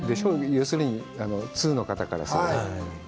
要するに、通の方からすると。